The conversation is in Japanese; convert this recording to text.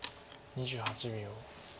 ２８秒。